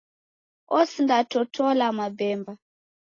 Osindatotola mabemba.